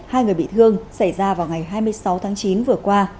hai người bị thương xảy ra vào ngày hai mươi sáu tháng chín vừa qua